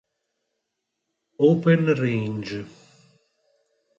Open Range